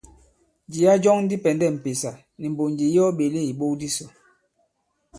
Jìya jɔŋ di pɛ̀ndɛ m̀pèsà nì mbònjì yi ɔ ɓèle ìbok disò.